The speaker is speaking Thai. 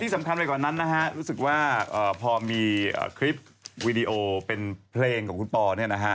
ที่สำคัญไปก่อนนั้นนะฮะรู้สึกว่าพอมีคลิปวิดีโอเป็นเพลงของคุณปอล์